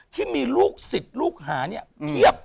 ที่มีลูกศิษย์ลูกหาเนี่ยเพียบ